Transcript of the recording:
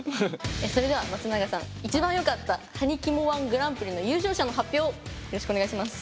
それでは松永さん一番よかったはにキモ１グランプリの優勝者の発表をよろしくお願いします。